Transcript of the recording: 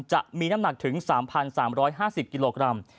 จะมีน้ำหนักถึง๓๓๕๐กิโลกรัม